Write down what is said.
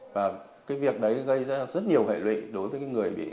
và cái việc đấy gây ra rất nhiều hệ lụy đối với người việt nam